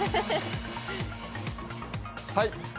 はい。